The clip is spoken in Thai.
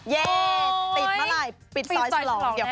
เย่ติดเมื่อไรปิดซอยสลอง